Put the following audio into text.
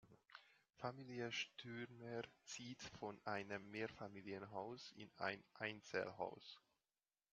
Familie Stürmer zieht von einem Mehrfamilienhaus in ein Einzelhaus.